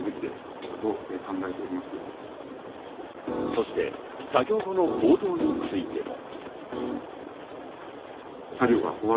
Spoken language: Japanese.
そして作業後の行動については。